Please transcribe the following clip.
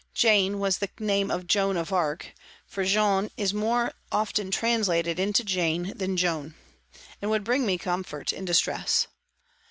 " Jane " was the name of Joan of Arc (for Jeanne is more often translated into " Jane " than " Joan ") and would bring me com fort in distress.